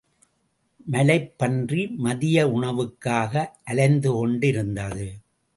மலைப் பன்றி மதிய உணவுக்காக அலைந்துகொண்டிருந்தது.